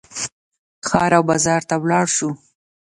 ښار او بازار ته ولاړ شو.